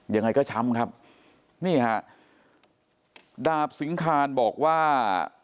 ยังไงก็ช้ำครับนี่ฮะดาบสิงคารบอกว่า